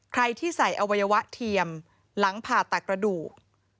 ใครที่ใส่อวัยวะเทียมหลังผ่าตัดกระดูก